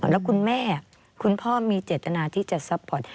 แล้วคุณแม่คุณพ่อมีเจตนาที่จะซัพพอร์ต